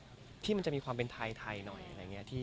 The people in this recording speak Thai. ก็มีไปคุยกับคนที่เป็นคนแต่งเพลงแนวนี้